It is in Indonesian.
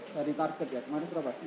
dari target ya kemarin berapa sih